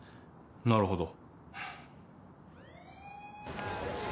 なるほど。